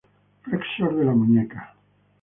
Flexor de la muñeca.